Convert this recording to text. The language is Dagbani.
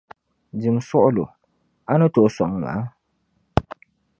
Dim, suɣulo a ni tooi sɔŋ ma?